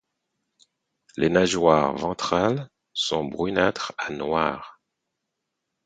Les nageoires ventrales sont brunâtres à noires.